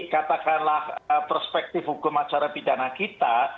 katakanlah perspektif hukum acara pidana kita